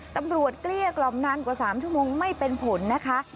เกลี้ยกล่อมนานกว่า๓ชั่วโมงไม่เป็นผลนะคะ